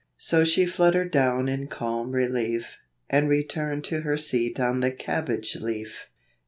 So she fluttered down in calm relief, And returned to her seat on the cabbage leaf.